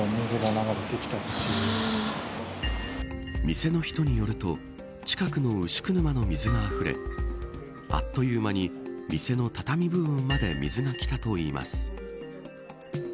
店の人によると近くの牛久沼の水があふれあっという間に店の畳部分まで水がきたといいます。